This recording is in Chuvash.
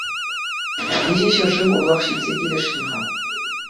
Виҫӗ ҫӗршыв урлах ҫитсе килесшӗн-ха.